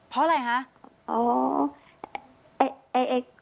เพราะอะไรคะ